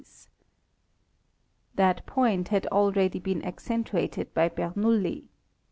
That point had already been accentuated by Bernoulli.